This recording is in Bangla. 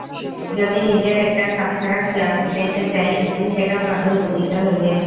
যদি নিজের একটা খাপছাড়া খেয়াল মিটাইতে চায়, স্ত্রীর সেটা ভাগ্যই বলিতে হইবে।